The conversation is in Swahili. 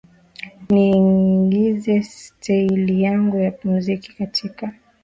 niingize steili yangu ya mziki katika